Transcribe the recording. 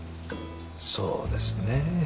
そうですね。